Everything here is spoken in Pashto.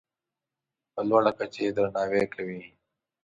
په لوړه کچه یې درناوی کوي.